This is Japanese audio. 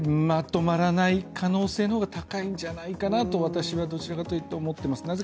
まとまらない可能性の方が高いんじゃないかなと私はどちらかというと思っています。